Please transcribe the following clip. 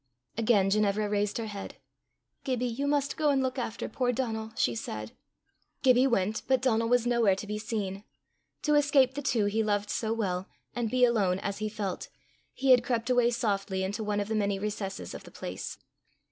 Again Ginevra raised her head. "Gibbie, you must go and look after poor Donal," she said. Gibbie went, but Donal was nowhere to be seen. To escape the two he loved so well, and be alone as he felt, he had crept away softly into one of the many recesses of the place.